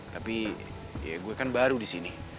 tapi ya gue kan baru disini